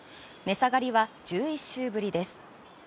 値下がりは１１週ぶりです。